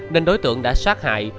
nên đối tượng đã sát hại